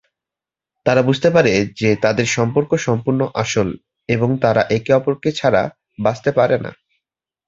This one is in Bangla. তারা বুঝতে পারে যে তাদের সম্পর্ক সম্পূর্ণ আসল এবং তারা একে অপরকে ছাড়া বাঁচতে পারে না।